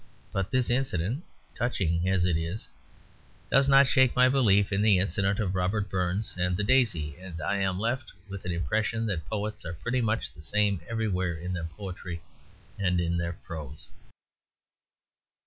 But this incident, touching as it is, does not shake my belief in the incident of Robert Burns and the daisy; and I am left with an impression that poets are pretty much the same everywhere in their poetry and in their prose.